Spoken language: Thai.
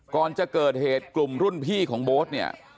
ก่อนจะเกิดเหตุกลุ่มรุ่นพี่ของโบ๊ทเนี่ย